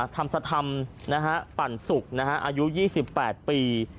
ทำสธรรมปั่นสุขอายุ๒๘ปี